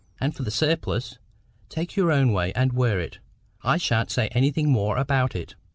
—And for the surplice, take your own way and wear it. I shan't say anything more about it."